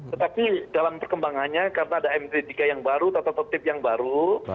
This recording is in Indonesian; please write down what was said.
tetapi dalam perkembangannya karena ada mt tiga yang baru tata tertib yang baru